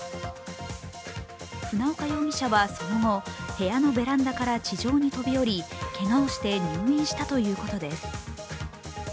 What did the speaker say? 船岡容疑者はその後、部屋のベランダから地上に飛び降りけがをして入院したということです。